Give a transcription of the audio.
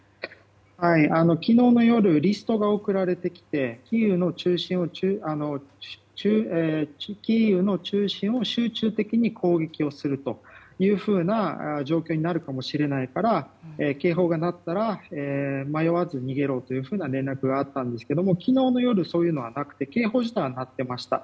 昨日の夜、リストが送られてきてキーウの中心を集中的に攻撃をするというふうな状況になるかもしれないから警報が鳴ったら迷わず逃げろというような連絡があったんですけども昨日の夜、そういうのはなくて警報自体は鳴っていました。